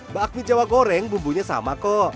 bakmi jawa goreng bumbunya sama kok